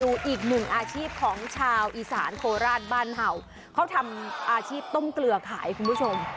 อีกหนึ่งอาชีพของชาวอีสานโคราชบ้านเห่าเขาทำอาชีพต้มเกลือขายคุณผู้ชม